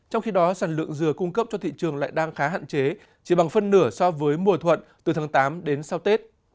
trong khi đó sản lượng dừa cung cấp cho thị trường lại đang khá hạn chế chỉ bằng phân nửa so với mùa thuận từ tháng tám đến sau tết